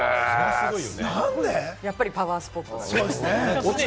やっぱりパワースポットですね。